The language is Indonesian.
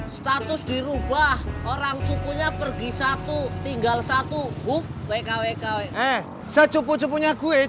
status dirubah orang cupunya pergi satu tinggal satu buf wek wek wek hey sejauh jauh punya gue